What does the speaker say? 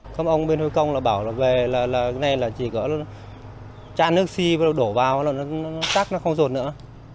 không ông bên huy công là bảo là về là cái này là chỉ có chan nước si bắt đầu đổ vào là nó chắc nó không rột nữa